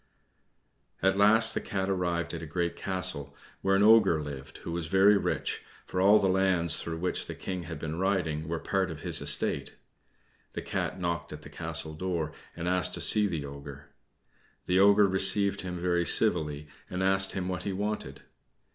At last the Cat arrived at a great castle, where an Ogre lived who was very rich, for all the lands through which the King had been riding were part of his estate. The Cat knocked at the castle door, and asked to see the Ogre. The Ogre received him very civilly, and asked him what he wanted.